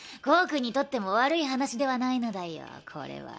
君にとっても悪い話ではないのだよこれは。